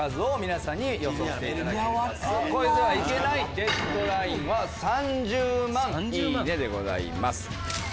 超えてはいけないデッドラインは３０万いいねでございます。